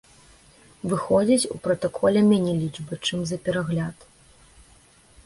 Выходзіць, у пратаколе меней лічба, чым за перагляд.